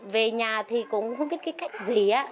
về nhà thì cũng không biết cái cách gì